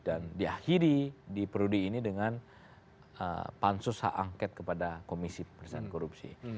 dan diakhiri di perudi ini dengan pansus hak angket kepada komisi persatuan korupsi